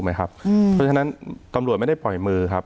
เพราะฉะนั้นตำรวจไม่ได้ปล่อยมือครับ